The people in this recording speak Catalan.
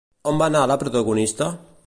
On va anar la protagonista?